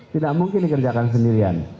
tidak mungkin dikerjakan sendirian